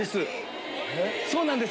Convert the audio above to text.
そうなんです！